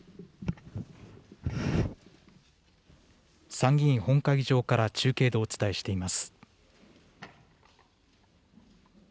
参議院本会議場から中継でお伝えしています。